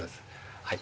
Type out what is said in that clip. はい。